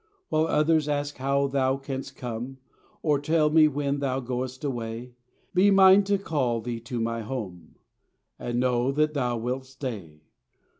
While others ask how Thou canst come, Or tell me when Thou goest away, Be mine to call Thee to my home, And know that Thou wilt stay.